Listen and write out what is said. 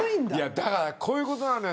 だから、こういうことなのよ